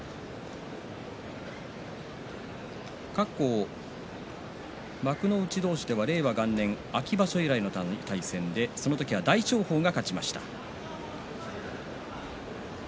過去、幕内同士では令和元年秋場所以来の対戦でその時は大翔鵬が勝ちました。